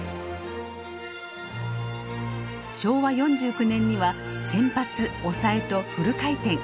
昭和４９年には先発抑えとフル回転。